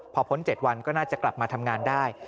พอพ้น๗วันก็น่าจะกลับมาทำงานได้